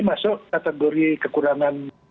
masuk kategori kekurangan